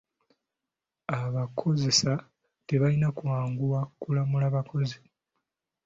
Abakozesa tebalina kwanguwa kulamula bakozi.